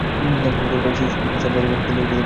শ্রীকৃষ্ণ সব কাজই করেছিলেন, কিন্তু আসক্তিবর্জিত হয়ে।